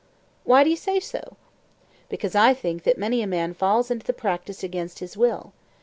Why do you say so? Because I think that many a man falls into the practice against his will.